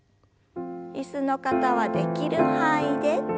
椅子の方はできる範囲で。